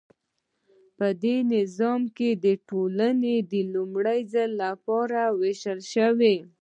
په دې نظام کې ټولنه د لومړي ځل لپاره ویشل شوه.